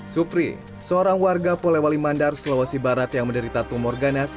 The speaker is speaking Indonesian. supri seorang warga polewali mandar sulawesi barat yang menderita tumor ganas